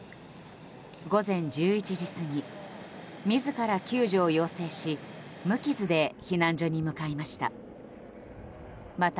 午前１１時過ぎ自ら救助を要請し無傷で避難所に向かいました。